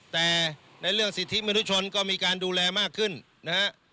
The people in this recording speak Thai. แต่ในเรื่องสิทธิมนุษยชนก็มีการดูแลมากขึ้นนะฮะ